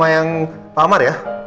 ini nama yang pak amar ya